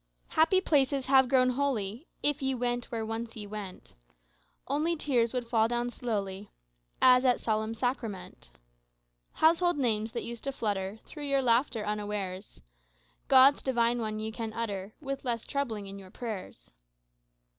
"Happy places have grown holy; If ye went where once ye went, Only tears would fall down slowly. As at solemn Sacrament Household names, that used to flutter Through your laughter unawares, God's divine one ye can utter With less trembling in your prayers."